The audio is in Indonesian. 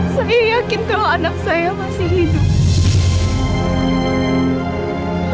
saya yakin kalau anak saya masih hidup